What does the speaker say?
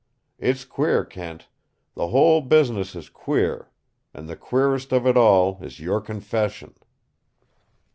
It's queer, Kent. The whole business is queer. And the queerest of it all is your confession."